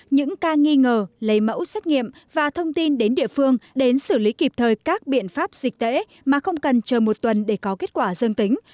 những ca nghi ngờ lấy mẫu xét nghiệm và thông tin đến địa phương đến xử lý kịp thời các biện pháp dịch tễ mà không cần chờ một tuần để có kết quả dương tính